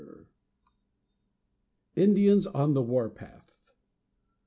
XLIX. INDIANS ON THE WARPATH.